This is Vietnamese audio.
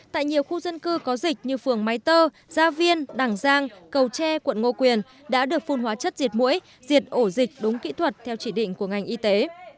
tại nhiều khu dân cư có dịch như phường máy tơ gia viên đằng giang cầu tre quận ngô quyền đã được phun hóa chất diệt mũi diệt ổ dịch đúng kỹ thuật theo chỉ định của ngành y tế